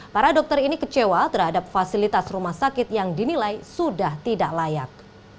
para dokter ini kecewa terhadap fasilitas rumah sakit yang dinilai sudah tidak layak